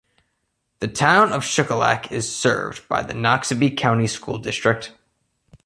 The Town of Shuqualak is served by the Noxubee County School District.